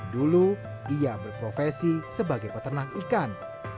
dulu ia berprofesi sebagai peternak ikan